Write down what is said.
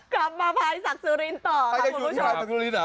กลับมาพลายสักสุรินทร์ต่อครับทุกคนผู้ชม